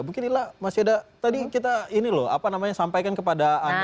mungkin ila masih ada tadi kita ini loh apa namanya sampaikan kepada anda